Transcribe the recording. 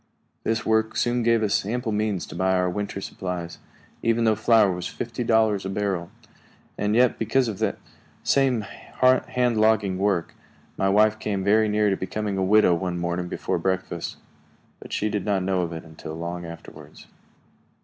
This work soon gave us ample means to buy our winter supplies, even though flour was fifty dollars a barrel. And yet, because of that same hand logging work, my wife came very near becoming a widow one morning before breakfast; but she did not know of it until long afterwards.